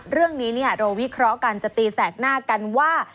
เรื่องนี้เราวิเคราะห์กันจะตีแสกหน้ากันว่า